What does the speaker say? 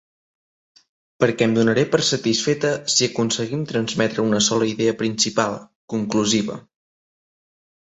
Perquè em donaré per satisfeta si aconseguim transmetre una sola idea principal, conclusiva.